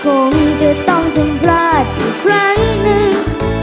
คงจะต้องถึงพลาดอีกครั้งหนึ่ง